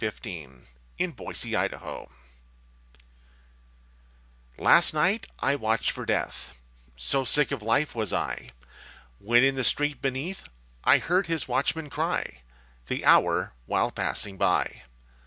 TIME AND DEATH AND LOVE. Last night I watched for Death So sick of life was I! When in the street beneath I heard his watchman cry The hour, while passing by.